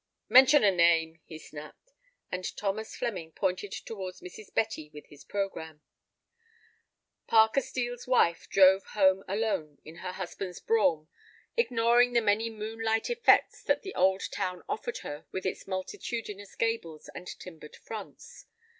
"Mention a name," he snapped. And Thomas Flemming pointed towards Mrs. Betty with his programme. Parker Steel's wife drove home alone in her husband's brougham, ignoring the many moonlight effects that the old town offered her with its multitudinous gables and timbered fronts.